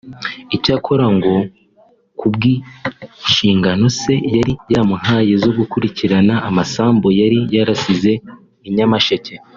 Icyakora ngo ku bw’inshingano se yari yaramuhaye zo gukurikirana amasambu yari yarasize i Nyamasheke